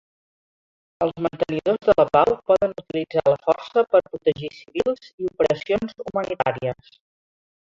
Els mantenidors de la pau poden utilitzar la força per protegir civils i operacions humanitàries.